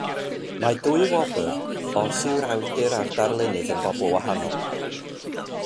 Mae dwy wobr os yw'r awdur a'r darlunydd yn bobl wahanol.